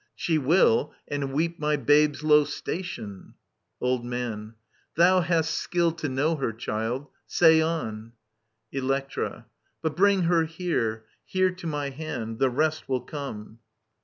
She will ; And weep my babe's low station I Old Man. Thou hast skill To know her, child ; say on. Electra. But bring her here, Here to my hand ; the rest will come.